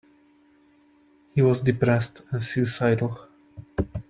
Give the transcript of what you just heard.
He was depressed and suicidal.